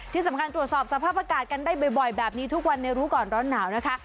ที่สำคัญตรวจสอบสภาพอากาศกันได้บ่อยแบบนี้ทุกวันในรู้ก่อนร้อนหนาวนะคะ